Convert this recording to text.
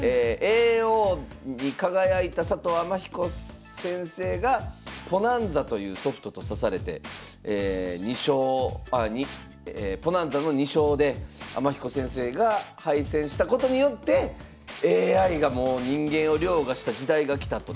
叡王に輝いた佐藤天彦先生がＰＯＮＡＮＺＡというソフトと指されて２勝ＰＯＮＡＮＺＡの２勝で天彦先生が敗戦したことによってＡＩがもう人間を凌駕した時代が来たと。